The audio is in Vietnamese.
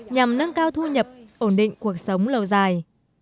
nhằm nâng cao thu nhập ổn định cuộc sống lâu dài